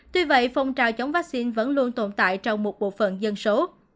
tuy vậy phong trào chống vaccine vẫn luôn tồn tại trong một bộ phận dân số